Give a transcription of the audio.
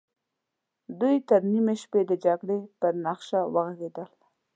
دوی تر نيمې شپې د جګړې پر نخشه وغږېدل.